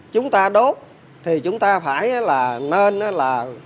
chúng ta đốt thì chúng ta phải là nên là